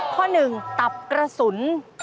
ข้อหนึ่งตับกระสุน